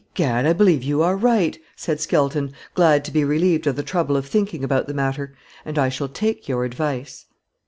"Egad! I believe you are right," said Skelton, glad to be relieved of the trouble of thinking about the matter; "and I shall take your advice."